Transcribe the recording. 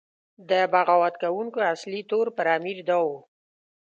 د بغاوت کوونکو اصلي تور پر امیر دا و.